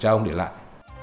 chào ông để lại